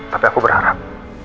tapi aku berharap